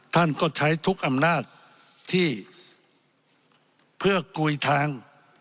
ท่านก็ใช้ทุกอำนาจที่เพื่อกุยทาง